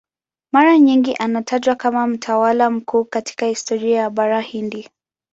Mara nyingi anatajwa kama mtawala mkuu katika historia ya Bara Hindi.